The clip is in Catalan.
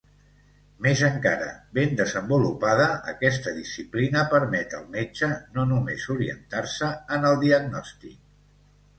Més encara, ben desenvolupada, aquesta disciplina permet al metge no només orientar-se en el diagnòstic.